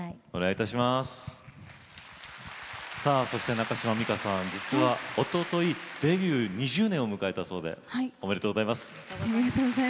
中島美嘉さん、おとといデビュー２０年を迎えたそうでおめでとうございます。